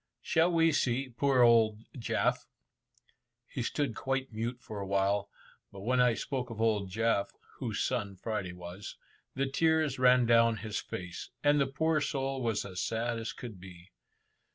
Shall we see poor old Jaf?" He stood quite mute for a while, but when I spoke of old Jaf (whose son Friday was), the tears ran down his face, and the poor soul was as sad as could be.